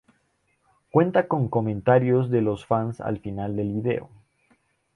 Cuenta con comentarios de los fans al final del video.